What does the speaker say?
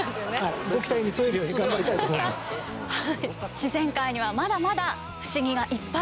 自然界にはまだまだ不思議がいっぱい！